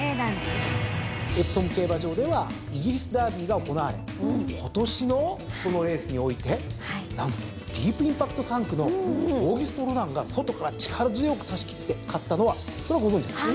エプソム競馬場ではイギリスダービーが行われ今年のそのレースにおいて何とディープインパクト産駒のオーギュストロダンが外から力強く差し切って勝ったのはそれはご存じですよね。